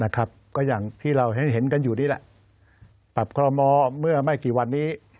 ก็อย่างที่เราเห็นกันอยู่นี่แหละปรับคอลโมเมื่อไม่กี่วันนี้